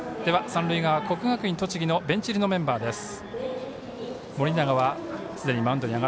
三塁側、国学院栃木のベンチ入りのメンバーです。